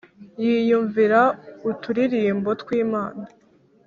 yiyumvira uturirimbo twimana